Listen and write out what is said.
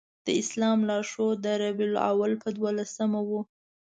د اسلام لار ښود د ربیع الاول په دولسمه و.